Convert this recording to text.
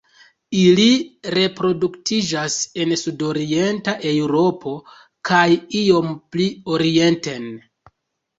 Ili reproduktiĝas en sudorienta Eŭropo kaj iom pli orienten.